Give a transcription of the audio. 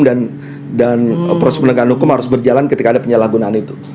dan proses penegakan hukum harus berjalan ketika ada penyalahgunaan itu